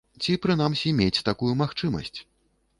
Ці, прынамсі, мець такую магчымасць.